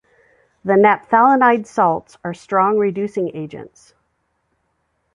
The naphthalenide salts are strong reducing agents.